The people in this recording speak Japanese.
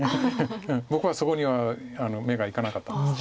僕はそこには目がいかなかったです。